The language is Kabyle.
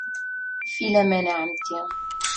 Filaman a Ɛemti.